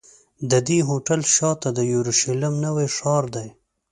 د دې هوټل شاته د یورشلېم نوی ښار دی.